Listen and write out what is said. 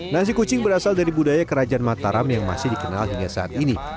nasi kucing berasal dari budaya kerajaan mataram yang masih diperlukan